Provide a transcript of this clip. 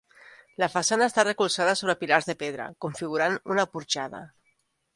La façana està recolzada sobre pilars de pedra, configurant una porxada.